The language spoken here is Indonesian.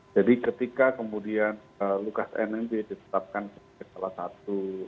jadi ketika kemudian lukas nmb ditetapkan sebagai salah satu